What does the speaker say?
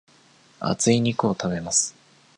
厚い肉を食べます。